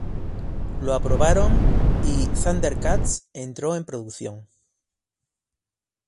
Lo aprobaron y "ThunderCats" entró en producción.